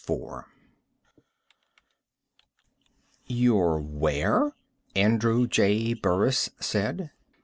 IV "You're where?" Andrew J. Burris said.